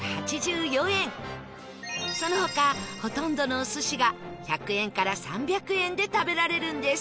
その他ほとんどのお寿司が１００円から３００円で食べられるんです